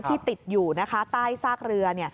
ที่ติดอยู่นะคะใต้ซากเรือ